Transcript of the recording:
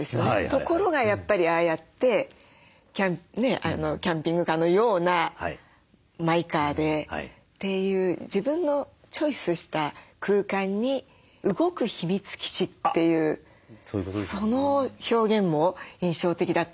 ところがやっぱりああやってキャンピングカーのようなマイカーでっていう自分のチョイスした空間に「動く秘密基地」っていうその表現も印象的だったんですけどヒロシさんはいかがですか？